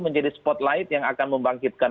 menjadi spotlight yang akan membangkitkan